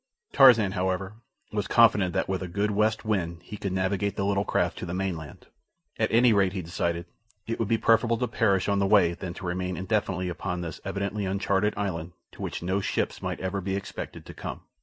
Tarzan, however, was confident that with a good west wind he could navigate the little craft to the mainland. At any rate, he decided, it would be preferable to perish on the way than to remain indefinitely upon this evidently uncharted island to which no ships might ever be expected to come.